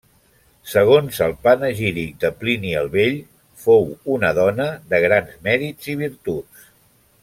Segons el panegíric de Plini el Vell fou una dona de grans mèrits i virtuts.